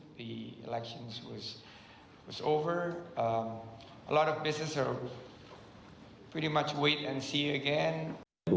pemilihan sudah berakhir